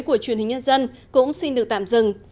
của truyền hình nhân dân cũng xin được tạm dừng